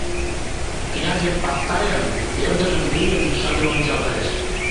— Князев Пактайым, ӧрдыжын лийын, шыдын ончалеш.